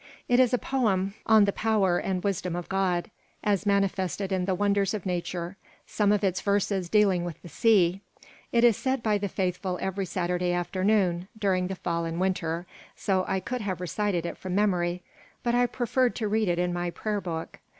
It is a poem on the power and wisdom of God as manifested in the wonders of nature, some of its verses dealing with the sea. It is said by the faithful every Saturday afternoon during the fall and winter; so I could have recited it from memory; but I preferred to read it in my prayer book.